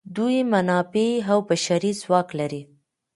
دوی منابع او بشري ځواک لري.